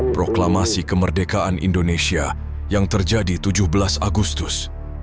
proklamasi kemerdekaan indonesia yang terjadi tujuh belas agustus seribu sembilan ratus empat puluh lima